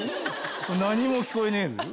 何も聞こえねえぜ。